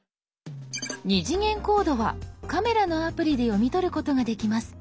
２次元コードはカメラのアプリで読み取ることができます。